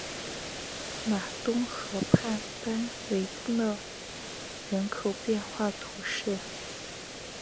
马东河畔班维勒人口变化图示